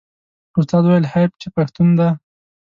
استاد وویل حیف چې پښتون دی.